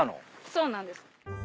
そうなんです。